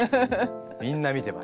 みんな見てます。